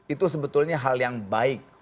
itu sebetulnya hal yang baik